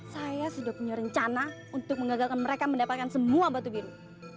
saya sudah punya rencana untuk mengagalkan mereka mendapatkan semua batu gini